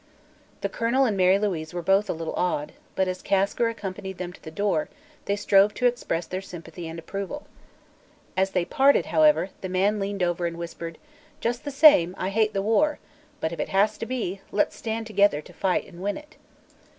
The colonel and Mary Louise were both a little awed, but as Kasker accompanied them to the door, they strove to express their sympathy and approval. As they parted, however, the man leaned over and whispered: "Just the same, I hate the war. But, if it has to be, let's stand together to fight and win it!"